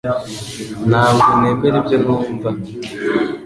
Ntabwo nemera ibyo numva